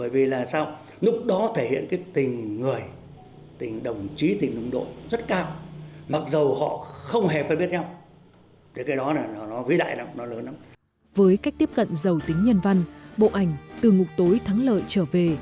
với cách tiếp cận giàu tính nhân văn bộ ảnh từ ngục tối thắng lợi trở về